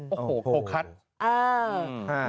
โอ้โหโคคัส